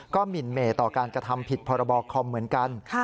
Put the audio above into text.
หมินเมต่อการกระทำผิดพรบคอมเหมือนกัน